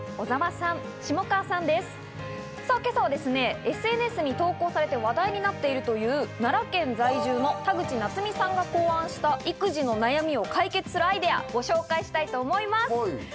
今朝はＳＮＳに投稿されて話題になっているという、奈良県在住の田口ナツミさんが考案した育児の悩みを解決するアイデアをご紹介したいと思います。